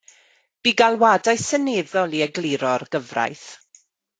Bu galwadau seneddol i egluro'r gyfraith.